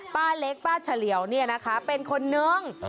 ป้าเล็กป้าเฉลี่ยวเนี่ยนะคะเป็นคนนึง